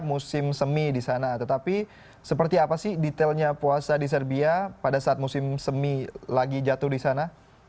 musim semi di sana tetapi seperti apa sih detailnya puasa di serbia pada saat musim semi lagi jatuh di sana